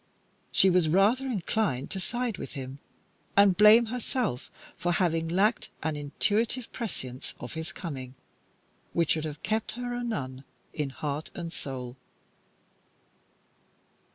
She was rather inclined to side with him, and blame herself for having lacked an intuitive prescience of his coming, which should have kept her a nun in heart and soul.